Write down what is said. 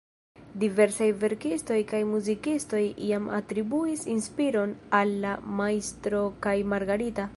Diversaj verkistoj kaj muzikistoj jam atribuis inspiron al "La Majstro kaj Margarita".